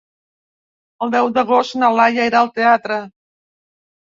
El deu d'agost na Laia irà al teatre.